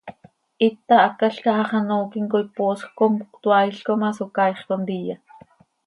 Hita hácalca hax an ooquim coi poosj com cötoaailc oo ma, Socaaix contiya.